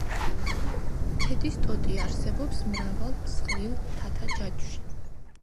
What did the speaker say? ქედის ტოტი არსებობს მრავალ მსხვილ მთათა ჯაჭვში.